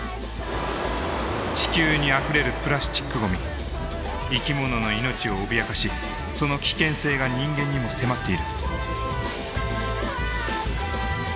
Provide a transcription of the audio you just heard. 地球にあふれるプラスチックごみ生き物の命を脅かしその危険性が人間にも迫っている。